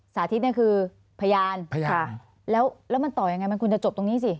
สาธิตนี่คือพยานพยานค่ะแล้วแล้วมันต่อยังไงมันคุณจะจบตรงนี้สิ